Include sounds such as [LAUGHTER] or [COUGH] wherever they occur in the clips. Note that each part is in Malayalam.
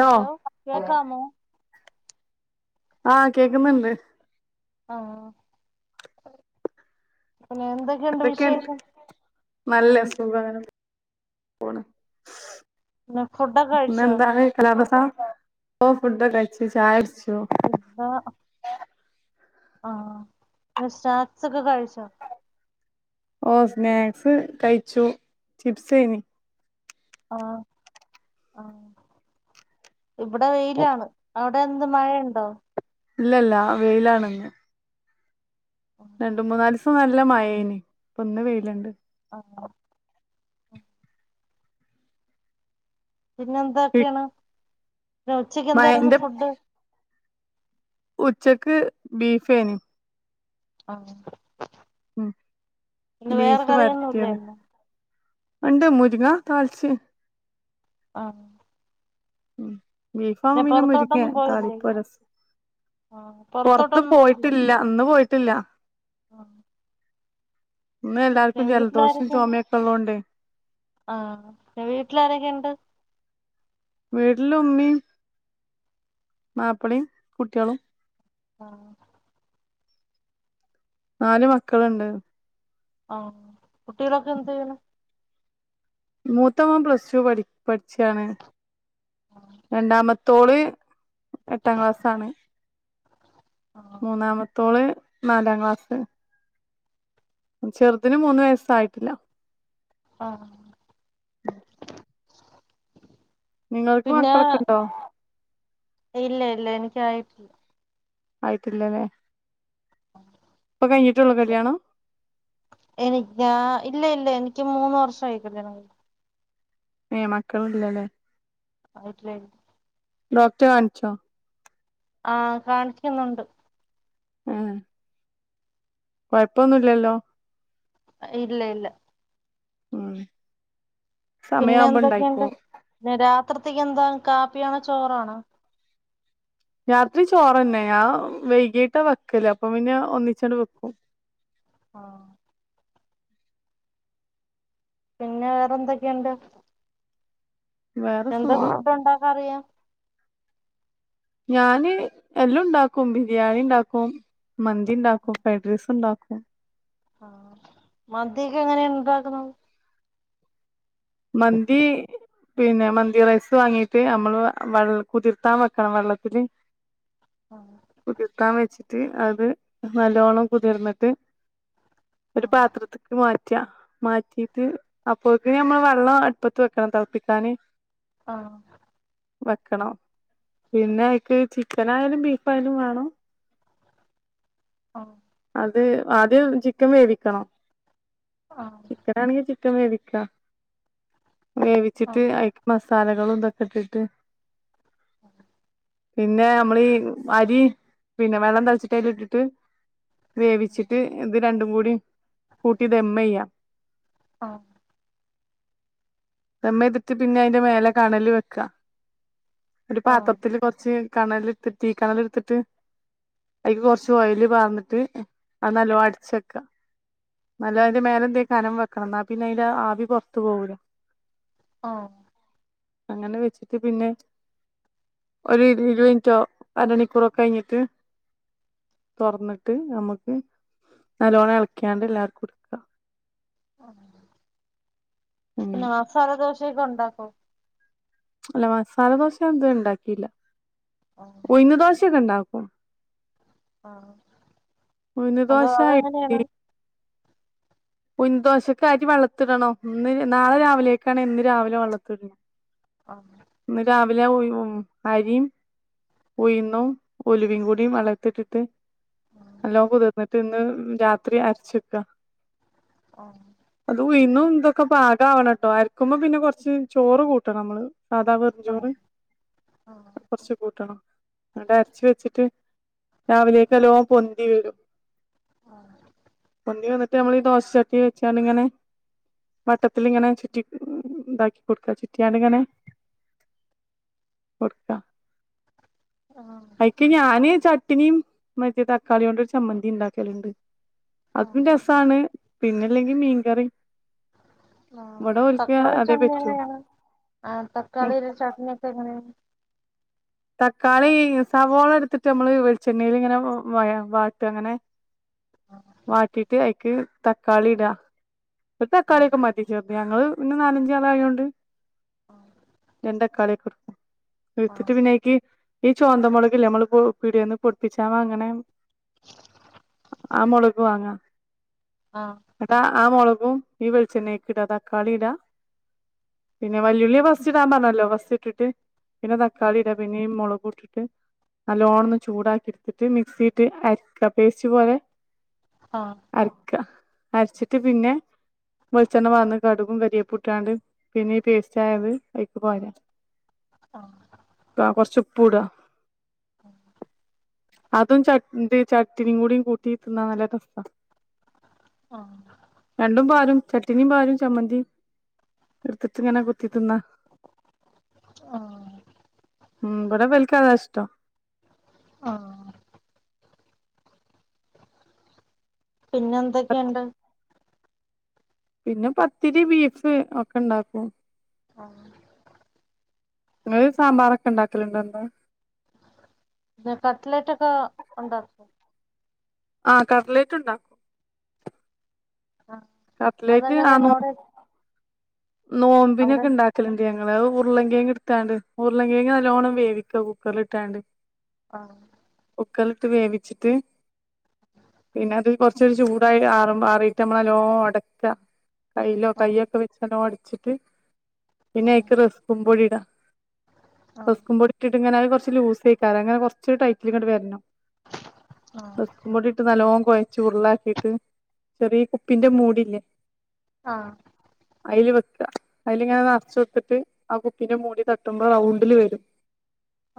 ഹലോ കേക്കാമോ ആഹ് കേക്കുന്നുണ്ട് ആഹ് പിന്നെ എന്തൊക്കെയുണ്ട് എന്തൊക്കെ വിശേഷം നല്ല സുഖം അങ്ങനെ പോണ് പിന്നെ ഫുഡൊക്കെ പിന്നെ കഴിച്ചോ എന്താണ് [UNINTELLIGIBLE] ഓ ഫുഡക്കെ കഴിച്ച് ചായ കുട്ച്ച് [UNINTELLIGIBLE] ആഹ് സ്നാക്സക്ക കഴിച്ചോ ഓ സ്നാക്സ് കഴിച്ചു ചിപ്സേനി ആഹ് ആഹ് ഇവിടെ വെയിലാണ് അവി ടെന്ത് മഴയുണ്ടോ ഇല്ല ഇല്ല വെയിലാണ്ന്ന് രണ്ട് മൂന്നാല് ഇപ്പം നല്ല മഴേനി ഇപ്പ് ഇന്ന് വെയില്ണ്ട് ആഹ് ഉം പിന്നെ എന്താക്കെയാണ് ഉച്ചക്ക് എന്തായിരുന്നു മഴന്റെ ഫുഡ് ഉച്ചക്ക് ബീഫേനി ആ ഉം ബീഫ് കറിയൊന്നുംല്ലേ വരത്തിയത് ഇന്ന് ഉണ്ട് മുരിങ്ങ [UNINTELLIGIBLE] ആ ഉം ബീഫാ മീനരുങ്ങ പോയില്ലേ താളിപ്പൊ രസം ആഹ് പുറത്ത് പുറത്തോട്ടൊന്നും പോയില്ലേ പോയിട്ടില്ല അന്ന് പോയിട്ടില്ല ഇന്ന് എന്റെ എല്ലാർക്കും വീട്ടില ജലദോഷം ആരൊക്കെണ്ട് ചുമയൊക്കെ ഉള്ളോണ്ടേ ആ വീട്ടിലാരൊക്കെ ഉണ്ട് വീട്ടില ഉമ്മീ മാപ്പിളും കുട്ടികളും ആ നാല് മക്കളുണ്ട് ആ കുട്ടിലോക്ക് എന്ത് ചെയന മൂത്തമ പ്ലസ് ടു പഠി പഠിച്ചാണ് രണ്ടാമത്തോള് എട്ടാം ക്ലാസ്ണ് ആഹ് മൂന്നാമത്തോള് നാലാം ക്ലാസ് ചെറുതിന് മൂന്ന വയസ്സ ആയിട്ടില്ല ആ നിങ്ങക്ക് മക്കളൊക്കെ ഉണ്ടോ ഇല്ല ഇല്ല എനിക്ക ആയി ആയിട്ടില്ലല്ലേ ഇപ്പൊ കഴിഞ്ഞിട്ടുള്ള കല്യാണ എനി ഞാ ഇല്ല ഇല്ല എനിക്ക് മൂന്ന് വർഷം ആയിക്കല് ഏ മക്കളും ഇല്ലല്ലേ [UNINTELLIGIBLE] ഡോക്ടർ കാണിച്ചോ ആ കാണിക്കുന്നുണ്ട് ഉം കൊഴപ്പൊന്നല്ലല്ലോ ഇല്ല ഇല്ല ഉം പിന്നെ സമയാവുമ്പോ എന്തൊക്കെയുണ്ട് ഉണ്ടായിക്കോളും രാത്രിത്തേക്ക് എന്താ കാപ്പിയണോ ചോറാണോ രാത്രി ചോറന്നെ ഞാൻ വൈകീട്ടാ വെക്കല് അപ്പൊ പിന്നെ ഒന്നിച്ചോണ്ട് വെക്കും ആ പിന്നെ വേറെന്തൊക്കെയണ്ട് വേറെ എന്താ സുഖം ഫുഡ ഉണ്ടാക്ക അറിയാം ഞാന് എല്ലാം ഉണ്ടാക്കും ബിരിയാണി ഉണ്ടാക്കും മന്തിണ്ടാക്കും ഫയഡ് റൈസ് ഒണ്ടാ ആ മന്തിയെക്കെ എങ്ങനെയാ ഒണ്ടാക്കാന്നത് മന്തി പിന്നെ മന്തി റൈസ് വാങ്ങീട്ട് നമ്മള് വെൾ കുതിർത്താൻ വെക്കണം വെള്ളത്തില് ആഹ് കുതിർക്കാ വെച്ചിട്ട് അത് ത് നല്ലോണം കുതിർന്നിട്ട് ഒര് പാത്രത്ത്ക്ക് മാറ്റ് റ്റാ മാറ്റിട്ട് അപ്പോഴക്ക് നമ്മള് പറ വെള്ളോ അടപ്പത്ത് വെക്കണം തെളപ്പിക്കാനി ആ വെക്കണോ പിന്നെ എക്ക് ചിക്കൻ ആയാലും ബീഫ് ആയാലും വേണം ആ അത് ആദ്യം ചിക്കൻ വേവിക്കണം ആഹ് ചിക്കനാണെങ്കി ചി ക്കൻ വേവിക്കാ വേവിച്ചിട്ട് ആഹ് അയിക്ക് മസാ ലകളും ഇതൊക്കെ ഇട്ടിട്ട് പിന്നെ നമ്മള് ഈ അരി പിന്നെ വെള്ളം തിളച്ചിട്ട് അതില് ഇട്ടിട്ട് വേവിച്ചിട്ട് ഇത് രണ്ടും കൂടി കൂട്ടി ദെമ്മയ്യ ആഹ് ദെമ്ചെയ്തിട്ട് പിന്നെ അതിൻ്റെ മേലെ കണല് വെക്കാ ഒര് ആഹ് ആഹ് പാത്രത്തില് കൊറച്ച് കണല് ഇട്ടിട്ട് തീ കണല് എട്ത്തിട്ട് അതിക്ക് കൊറച്ച് ഓയില് പാർന്നിട്ട് അത് നല്ലോണം അടച്ച് വെക്ക്യാ നല്ല അതിന്റെ മേലെ എന്തെങ്കിലും കനം വെ ക്ക ഇന്നാ പിന്നെയിന്റെ ആവി പൊർ ത്തു പോവൂല ആ അങ്ങനെ വെച്ചിട്ട് പിന്നെ ഒര് ഇര് മിനിറ്റോ അരണിക്കൂറൊക്കെ കഴിഞ്ഞിട്ട് തെറന്നിട്ട് നമ്മക്ക് നല്ലോണ്ണം ഇളിക്ക്യാണ്ട് എല്ലാർക്കും എടുക്കാം ആ പിന്ന അങ്ങനെ മസാല ദോശ ശൊക്കെ ഉണ്ടാക്കൊ അല്ല മസാല ദോശ എന്തേ ഒണ്ടാക്കിയില്ല ഉഴ്ന്ന് ദോശക്കെ ഉണ്ടാ ക്കും ആ ഉഴുന്ന് അതോ ദോശ അത് അങ്ങനെയാണ് ഉഴുന്ന്ദോശക്കരി വെള്ളത്തിയിടണം ഇന്ന് നാളെ രാവിലെക്കണേ ഇന്ന് രാവിലെ വെള്ളത്തി ഇടണോ ആ ഇന്ന് രാവിലെ ഉഴി അരീം ഉഴിന്നും ഉലുവയും കൂടി വെള്ളത്തിലിട്ടിട്ട് എല്ലാം കുതിർന്നിട്ട് ഇന്ന് രാത്രി അരച്ച് വെക്ക ആ ഉഴിന്നും ഇതൊക്കെ പാകാവണട്ടോ അരക്കുമ്പോ പിന്നെ കൊറച്ച് ചോറ് കൂട്ടണം ഞമ്മള് സാധാ ആഹ് വെറുംചോറ് ആഹ് കുറച്ച് കൂട്ടണം. അങ്ങട് അരച്ച് വെച്ചിട്ട് രാവിലെയൊക്കെ ലോ പൊന്തി വരും. പൊന്തിവന്ന ട്ട് നമ്മള് ഈ ദോശക്ക് വച്ചാണിങ്ങനെ വട്ടത്തിലിങ്ങനെ ചുറ്റി ഇണ്ടാക്കി കൊടുക്ക ചുറ്റിയാണിങ്ങനെ കൊടുക്ക ആഹ് അയിക്ക് ഞാന് ചട്ടിനിയും മറ്റേ തക്കാളികൊണ്ട് ഒരു ചമ്മന്തി ഇണ്ടാക്കല്ണ്ട്. അതും ആഹ് രസാണ്. പിന്നെല്ലെങ്കിൽ മീൻകറി ആ ഇവിടെ ഓൽക്ക് തക്കാളി അതേ ചട്ണി പറ്റൂ ആ ത തക്കാളീടെ ചട്ണി ഇപ്പ എങ്ങ ഉം തക്കാളി സവോള എടുത്തിട്ട് നമ്മള് വെളിച്ചെണ്ണേല് ഇങ്ങനെ വയ വാട്ടു അങ്ങനെ വാട്ടിട്ട് അയ്ക്ക് തക്കാളി ഇടാ ഒരു ആഹ് തക്കാളിയൊക്കെ മതി ചെറുത് ഞങ്ങള് പിന്നെ നാലഞ്ച് ആളായോണ്ട് രണ്ട് തക്കാളിയൊക്കെടു എടുത്തിട്ട് ആഹ് പിന്നെ അയ്ക്ക് ഈ ചുവന്നമുളക് ഇല്ലേ മുളക് പൊ പീടികേന്ന് പൊടിപ്പിച്ചാവങ്ങണെ. ആ മുളക് വാങ്ങാ ട്ടാ ആ മൊളകു ഉം ഈ വെളിച്ചണ്ണേക്ക് ഇടാ. തക്കാളി ഇടാ പിന്നെ വല്യ ഉളളി ഫസ് റ്റ് ഇടാൻ പറഞ്ഞല്ലോ ഫസ്റ്റ് ഇട്ടിട്ട് പിന്നെ തക്കാളി ആഹ് ഇടാ. പിന്നെ ഈ മുളക് ഇട്ടിട്ട് നല്ലോണം ഒന്ന് ചൂടാക്കി എടുത്തിട്ട് മിക്സി ഇട്ട് അരയ്ക്കാ. പേസ്റ്റ് പോലെ ആഹ് അരക്ക അരച്ചിട്ട് പിന്നെ വെളിച്ചെണ്ണ വാർന്ന് കടുകും കരിവേപ്പും ഇട്ടാണ്ട് പിന്നെ ഈ പേസ്റ്റ് ആയത് അയിക്ക് കോരാ. ആഹ് താ കുറച്ചു പ്പുടാ. ആ അതും ചട് ചട്ട്നീം കൂട്ടിത്തിന്നാ നല്ല ടെസ്റ്റാ. ആ രണ്ടും പാലും ചട്ടിനിയും പാലും ചമ്മന്തിയും എടുത്തിട്ട ഇങ്ങന കു ത്തി തിന്ന ആഹ് ആഹ് ഇവിടെ വൽക്ക അതാ ഇഷ് ത്ത ആ പിന്നെ എന്തൊക്കെണ്ട് പിന്നെ പത്തിരി ബീഫ് ഒക്കെ ഇണ്ടാക്കും ആ ങ്ങള് സാമ്പാറൊക്കെ ഇണ്ടാക്കല് ണ്ടോ എന്നും പിന്ന കട്ടലെറ്റ് ഒക്കെ ഉണ്ടാക്കും ആ കടലേറ്റ് ഉണ്ടാക്കും ആഹ് കട്ടലറ്റ് അതെങ്ങനെയാണ് ആണോ അവിടെ അവിടെ നോമ്പിനൊക്കെ ഉണ്ടാക്കല്ണ്ട് ഞ- ങ്ങത് ഉർളങ്കിയങ് എട്ത്താണ്ട് ഉർളങ്കിയങ് നല്ലോണം വേവിക്ക കുക്കറില ഇട്ടാണ്ട് ആ കുക്കർൽട്ട് വേവിച്ചിട്ട് പിന്നെ അത് കൊറച്ചൊരു ചൂടായി ആറ ആറിട്ട് നമ്മളല്ലോ ഒടക്ക കൈലോ ആഹ് കയ്യോ ഒക്കെ വെ ഒട്‌ച്ചിട്ട് പിന്നെ ഐക്ക് റസ്ക്കും പൊടിടാ ആഹ് ആഹ് റസ്കുമ്പൊടി ഇട്ട് ഇങ്ങന കുറച്ച് ലൂസെയ്‌ക്കാരം ങ്ങന കുറച്ചൊ ടൈറ്റില ഇങ്ങട്ട് വരണം റസ്ക്കും പൊടിട്ട് നല്ലോ കുഴച്ച് ഉർള്ളാക്കിട്ട് ചെറിയ കുപ്പിന്റെ മൂടില്ലേ ആ അതിൽ വെക്ക അതില ഇങ്ങനെ നിറച്ച വത്തിട്ട് ആ കുപ്പിന്റെ മൂടി തട്ടുമ്പോ റൗണ്ടില് വരും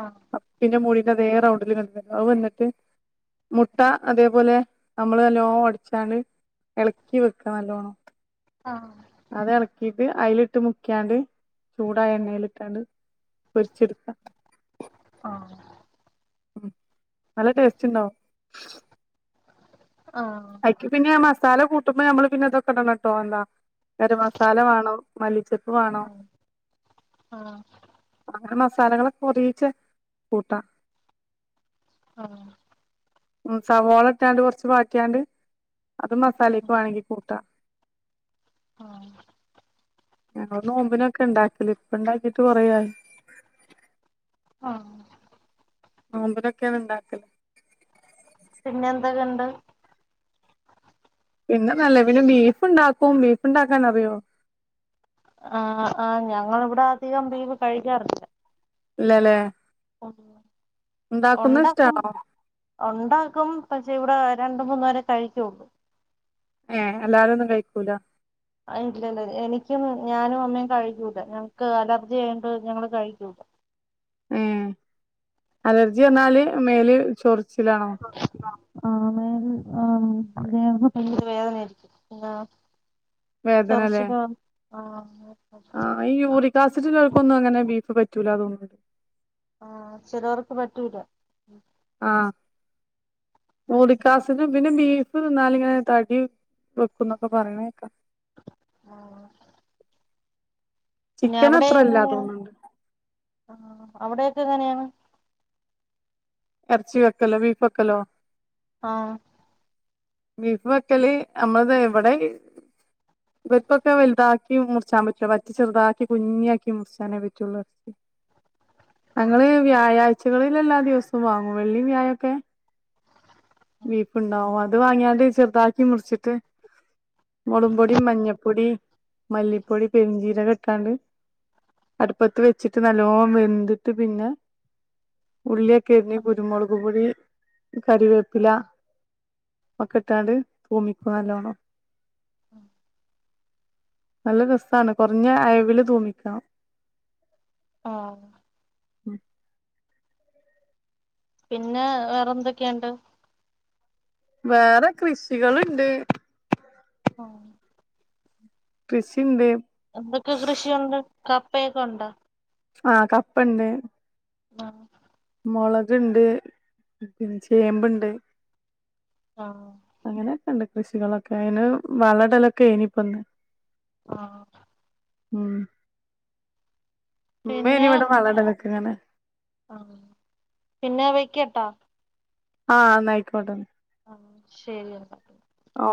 ആഹ് ആഹ് പിന്നെ മുടി അതേ റൗണ്ടില് കണ്ട അത് വന്നിട്ട് മുട്ട അതേപോലെ നമ്മള് നല്ലോ ഒടിച്ചാണ് ഇളക്കി വെക്ക നല്ലോണം ആ അത് ഇളക്കിട്ട് അതിലിട്ട് മുക്കിയാണ്ട് ചൂടായ എണ്ണയിലിട്ടാണ്ട് പൊരിച്ചെടുക്ക ആ ഉ നല്ല ടേസ്റ്റ് ഉണ്ടാവും ആഹ് ആഹ് അയ്ക്ക് പിന്നെ സാല കൂട്ടുമ്പോ നമ്മള് പിന്നെ ഇതൊക്കെടണം ട്ടോ എന്താ ഗര മസാല വേണോ മല്ലിച്ചപ്പ് വേണോ അങ്ങനെ മസ സലങ്ങളൊക്കെ ഒറിയിച്ച് കൂട്ടാ ആ ഉ സവാള ഇട്ടാണ്ട് കൊറച്ച് വാട്ടിയാണ്ട് അത് മസാലക്ക വേണങ്കി കൂട്ടാ ആഹ് നോമ്പിനൊക്കെ ഉണ്ടാക്ക അല ഇപ്പ ഉണ്ടാക്കിട്ട് കുറയ ആഹ നമ്പലൊക്കെയാണ് ഇണ്ടാക്കല് പിന്നെ എന്താകണ്ട് പിന്നെ നല്ല പിന്നെ ബീഫ്ണ്ടാക്കും ബീഫുണ്ടാക്കാനറിയോ ആ ആ ഞങ്ങളിവിടെ അധികം ബീഫ് കഴിക്കാറില്ല ഇല്ലലേ ഉ ഉണ്ടാക്കുന്നത് ഇഷ്ടാണോ ഉണ്ടാക്കും പക്ഷേ ഇവിടെ രണ്ട് മൂന്ന് വരെ കഴിക്കുള്ളൂ ഏ എല്ലാരും ഒന്നും കഴിക്കൂല ഇല്ലല്ല എനിക്കും ഞാനും അമ്മേയും കഴിക്കൂല ഞങ്ങക്ക് അലർജി ആയണ്ട് ഞങ്ങള് കഴിക്കൂല ഏ അലർജി വന്നാല് മേല് ചൊറി ആണ് ആ അവയവം [UNINTELLIGIBLE] വേദനയായിരിക്കും ആ വേദനല്ലേ ആഹ് ആ ഈ യൂറിക്കാസിഡുള്ളവർക്കൊന്നും അങ്ങനെ ബീഫ് പറ്റി പറ്റൂല തോനിന്നു ആ ചിലവർക്ക് പറ്റൂല ആ യൂറികാസിടിനും പിന്നെ ബീഫ് തിന്നാല് ഇങ്ങനെ തടി വെക്കുംന്നൊക്കെ പറയ്ണേക്കാ ആഹ് പിന്നെ ചിക്കൻ അത്രല്ലാ തോന്നുണ്ട് ആ അവിടൊക്കെ എങ്ങനെയാണ് ഇറച്ചി വെക്കലോ ബീഫ് വെക്കലോ ആഹ് ബീഫ് വക്കല് നമ്മളത് എവിടെ വെപ്പൊക്കെ വലുതാക്കി മുറിച്ചാൻ പറ്റില്ല വറ്റി ചെറുതാക്കി കുഞ്ഞിയാക്കി മുറിച്ചാനേ പറ്റുള്ളൂ ആഹ് ഞങ്ങള് വ്യാഴാഴ്ച ഴ്ച്ചകളിലെല്ലാ ദിവസവും വാങ്ങും വെള്ളി വ്യായമൊക്കെ ബീഫ് ണ്ടാവും അതെ അത് വാങ്ങിയാണ്ട് ചെറുതാക്കി മുറിച്ചിട്ട് മൊളുംപൊടി മഞ്ഞപ്പൊടി മല്ലിപ്പൊടി പെരിഞ്ചീരകംട്ടാണ്ട് അടുപ്പത്ത് വെച്ചിട്ട് നല്ലോണം വെന്തിട്ട് പിന്നെ ഉള്ളിയക്കെരിഞ്ഞ് കുരുമുളക്പൊടി കരിവേപ്പില ഒക്കെട്ടാണ്ട് ഭൂമിക്ക നല്ലോണം ഉ നല്ല രസാണ് കുറഞ്ഞ അയവില് തൂമ്പിക്കണം ആ ഉം പിന്നെ വേറെന്തൊക്കെയുണ്ട് വേറെ കൃഷികളുണ്ട് ആ കൃഷിണ്ട് കൃഷിയുണ്ട് കപ്പയൊക്കെ ഉണ്ടോ ആഹ് കപ്പണ്ട് ഉം മുളക്ണ്ട് പിന്നെ ചേമ്പ്ണ്ട് ആഹ് അങ്ങനെയൊക്കെ ഇണ്ട് കൃഷികളൊക്കെ അയിന് വളടലൊക്കെ ഏയ്നിപ്പന്ന് ആഹ് ഉം മുമ്പേനി പിന്നെ ഇവടെ വളടലോ ക്ക്ങ്ങനെ ആഹ് പിന്നെ വെക്കാട്ടൊ ആഹ് ന്നായികൊട്ടെ ആഹ് ശെരി എന്നാ ട്ടൊ ഓ